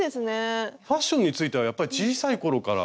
ファッションについてはやっぱり小さい頃から興味があったんですか？